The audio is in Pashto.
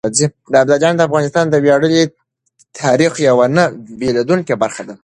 ابداليان د افغانستان د وياړلي تاريخ يوه نه بېلېدونکې برخه ده.